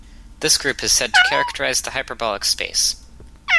This group is said to characterize the hyperbolic space.